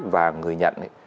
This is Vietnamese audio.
và người nhận ấy